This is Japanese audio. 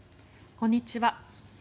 こんにちは。